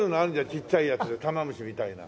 ちっちゃいやつでタマムシみたいな。